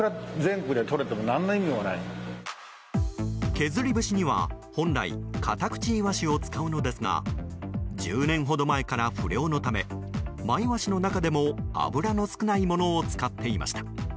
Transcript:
削り節には本来カタクチイワシを使うのですが１０年ほど前から不漁のためマイワシの中でも脂の少ないものを使っていました。